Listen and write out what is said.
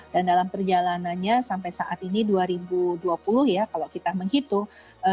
dan dalam perjalanannya sampai saat ini dua ribu dua puluh ya kalau kita menghitung